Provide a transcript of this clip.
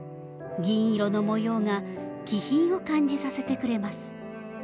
銀色の模様が気品を感じさせてくれます。